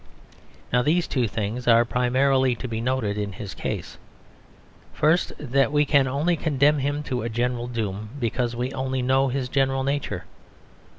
Now these two things are primarily to be noted in his case. First, that we can only condemn him to a general doom, because we only know his general nature.